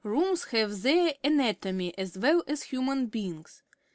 Rooms have their anatomy as well as human beings.